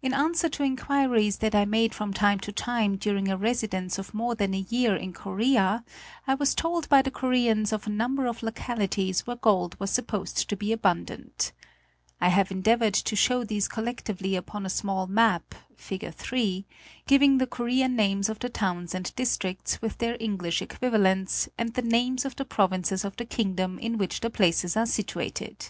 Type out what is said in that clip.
In answer to inquiries that I made from time to time during a residence of more than a year in Korea I was told by the Koreans of a number of localities where gold was supposed to be abundant. I have endeavored to show these collectively upon 242 National Geographic Magazine. a small map (Fig. III) giving the Korean names of the towns and districts with their English equivalents and the names of the provinces of the kingdom in which the places are situated.